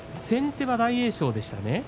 先手は大栄翔でしたね。